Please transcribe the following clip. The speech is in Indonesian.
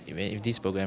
tapi dengan program ini